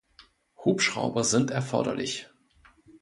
Hubschrauber sind erforderlich.